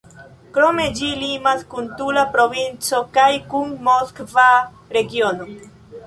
Krome, ĝi limas kun Tula provinco kaj kun Moskva regiono.